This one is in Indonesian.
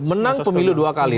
menang pemilu dua kali